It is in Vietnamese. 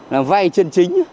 là vay chân chính